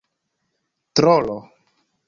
trolo